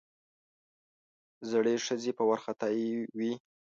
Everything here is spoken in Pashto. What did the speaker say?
زړې ښځې په وارخطايي وې.